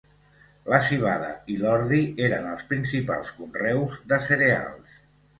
La civada i l'ordi eren els principals conreus de cereals.